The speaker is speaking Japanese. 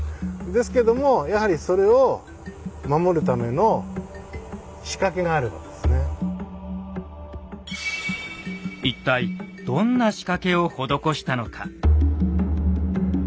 ですけどもやはり一体どんな仕掛けを施したのか。